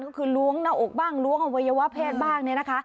ก็คือล้วงหน้าอกบ้างล้วงอวัยวะเพศบ้างเนี่ยนะคะ